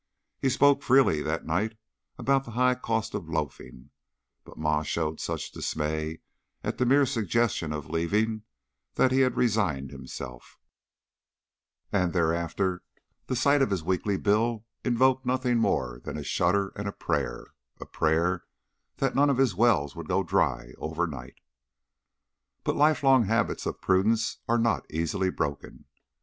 He spoke feelingly that night about the high cost of loafing, but Ma showed such dismay at the mere suggestion of leaving that he had resigned himself, and thereafter the sight of his weekly bill evoked nothing more than a shudder and a prayer a prayer that none of his wells would go dry overnight. But lifelong habits of prudence are not easily broken.